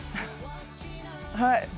はい。